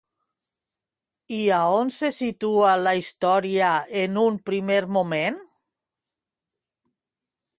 I a on se situa la història en un primer moment?